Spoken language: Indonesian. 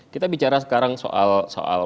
kita bicara sekarang soal